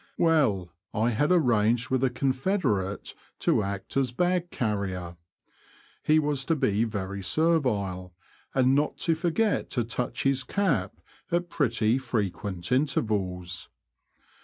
Well, I had arranged with a confederate to act as bag carrier ; he was to be very servile, and not to forget to touch his cap at pretty frequent intervals.